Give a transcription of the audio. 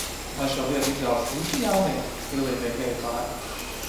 Vai šo vietu izvēlas visi jaunie, stilīgie geju pāri?